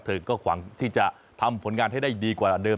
เธอก็หวังที่จะทำผลงานให้ได้ดีกว่าเดิม